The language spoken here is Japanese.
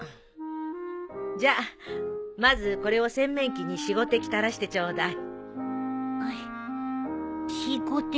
じゃあまずこれを洗面器に４５滴垂らしてちょうだい。